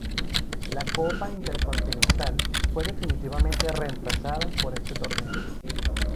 La Copa Intercontinental fue definitivamente reemplazada por este torneo.